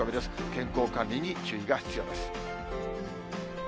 健康管理に注意が必要です。